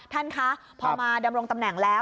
ท่านคะพอมาดำรงตำแหน่งแล้ว